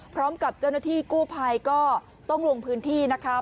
พร้อมกับเจ้าหน้าที่กู้ภัยก็ต้องลงพื้นที่นะคะ